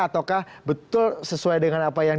ataukah betul sesuai dengan apa yang